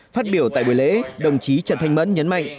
phát biểu tại buổi lễ đồng chí trần thanh mẫn nhấn mạnh